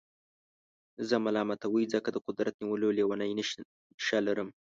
زه ملامتوئ ځکه د قدرت نیولو لېونۍ نېشه لرم.